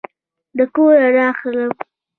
د کوره راغلم